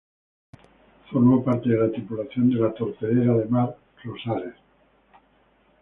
Formó parte de la tripulación de la torpedera de mar "Rosales".